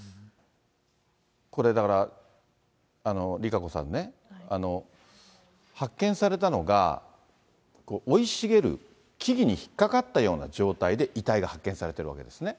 これ、だから、ＲＩＫＡＣＯさんね、発見されたのが、生い茂る木々に引っかかったような状態で遺体が発見されてるわけですね。